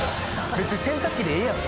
別に洗濯機でええやん